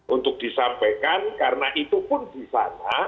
untuk disampaikan karena itu pun di sana